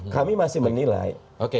kami masih menilai